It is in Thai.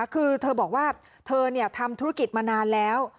คือเธอบอกว่าเธอทำธุรกิจมานานแล้ว